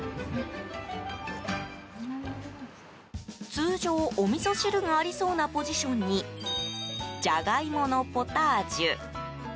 通常、おみそ汁がありそうなポジションにジャガイモのポタージュ。